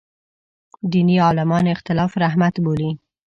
دیني عالمان اختلاف رحمت بولي.